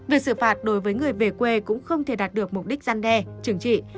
việc xử phạt đối với người về quê cũng không thể đạt được mục đích gian đe trừng trị